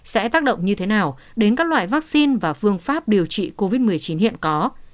sẽ tác động như thế nào đến các loại vaccine và phương pháp điều trị covid một mươi chín hiện có